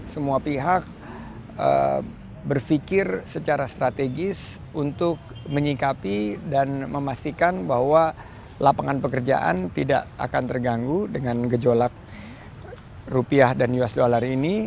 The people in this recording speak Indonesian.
semua pihak berpikir secara strategis untuk menyikapi dan memastikan bahwa lapangan pekerjaan tidak akan terganggu dengan gejolak rupiah dan usd ini